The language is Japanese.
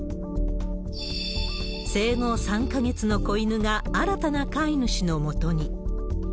生後３か月の子犬が新たな飼い主の元に。